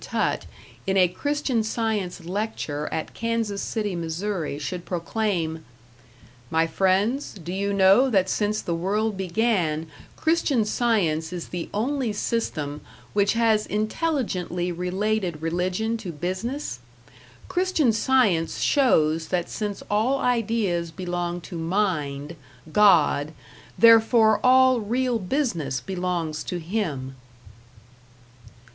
Tutt, in a Christian Science lecture at Kansas City, Mo., should proclaim: My friends, do you know that since the world began Christian Science is the only system which has intelligently related religion to business? Christian Science shows that since all ideas belong to Mind, God, therefore all real business belongs to Him.